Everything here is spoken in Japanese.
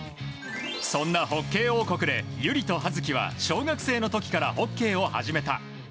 そんなホッケー王国で友理と葉月は小学生の時からホッケーを始めた。